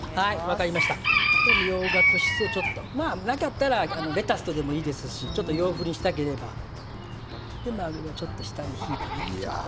みょうがとしそをちょっとなかったらレタスでもいいですしちょっと洋風にしたければまぐろをちょっと下に敷いて。